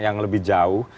yang lebih jauh